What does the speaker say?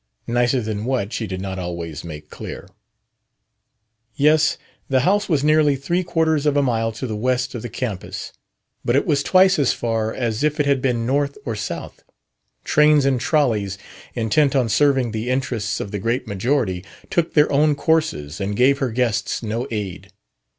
Nicer than what, she did not always make clear. Yes, the house was nearly three quarters of a mile to the west of the campus, but it was twice as far as if it had been north or south. Trains and trolleys, intent on serving the interests of the great majority, took their own courses and gave her guests no aid.